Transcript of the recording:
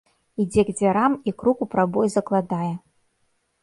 Ідзе к дзвярам і крук у прабой закладае.